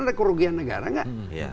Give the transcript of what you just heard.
ada kerugian negara atau tidak